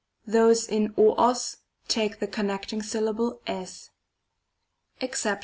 Those in o og take the connecting syllable tg. JExcep.